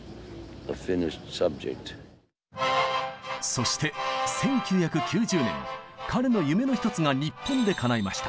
そして１９９０年彼の夢の一つが日本でかないました。